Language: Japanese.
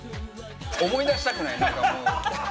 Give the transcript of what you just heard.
思い出したくないなんかもう。